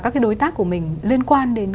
các cái đối tác của mình liên quan đến